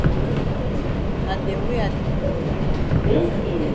Na dem wey I di use.